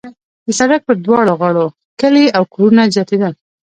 د سړک پر دواړو غاړو کلي او کورونه زیاتېدل.